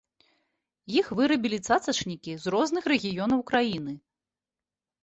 Іх вырабілі цацачнікі з розных рэгіёнаў краіны.